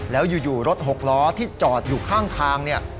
แล้วอยู่รถหกล้อที่จอดอยู่ข้าง